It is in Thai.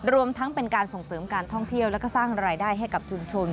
รวมทั้งเป็นการส่งเสริมการท่องเที่ยวแล้วก็สร้างรายได้ให้กับชุมชน